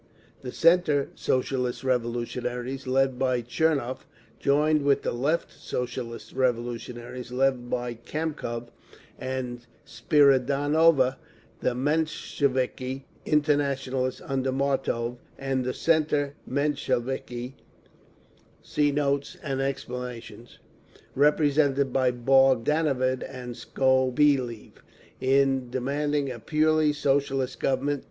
The "centre" Socialist Revolutionaries, led by Tchernov, joined with the Left Socialist Revolutionaries, led by Kamkov and Spiridonova, the Mensheviki Internationalists under Martov, and the "centre" Mensheviki, represented by Bogdanov and Skobeliev, in demanding a purely Socialist Government.